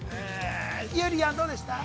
ゆりやん、どうでした？